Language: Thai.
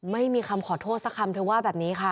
ไม่มีคำขอโทษสักคำเธอว่าแบบนี้ค่ะ